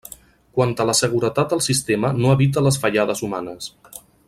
Quant a la seguretat el sistema no evita les fallades humanes.